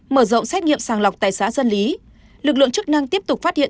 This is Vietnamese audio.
mở rộng xét nghiệm sàng lọc tại xã dân lý lực lượng chức năng tiếp tục phát hiện